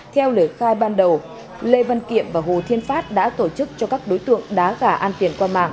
theo lời khai ban đầu lê văn kiệm và hồ thiên pháp đã tổ chức cho các đối tượng đá gà an tiền qua mạng